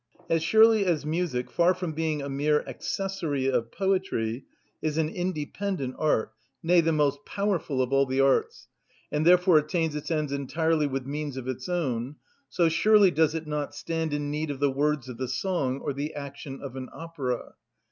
As surely as music, far from being a mere accessory of poetry, is an independent art, nay, the most powerful of all the arts, and therefore attains its ends entirely with means of its own, so surely does it not stand in need of the words of the song or the action of an opera.